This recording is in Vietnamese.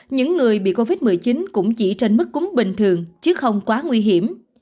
những người bị covid một mươi chín cũng chỉ trên mức cúng bình thường chứ không quá nguy hiểm